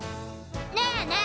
ねえねえ！